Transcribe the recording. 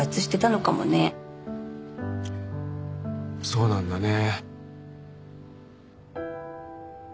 そうなんだね。